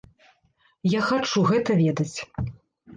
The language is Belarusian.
Я хачу гэта ведаць.